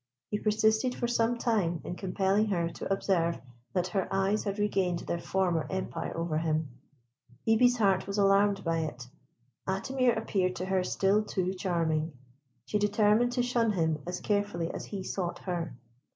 He persisted for some time in compelling her to observe that her eyes had regained their former empire over him. Hebe's heart was alarmed by it. Atimir appeared to her still too charming. She determined to shun him as carefully as he sought her.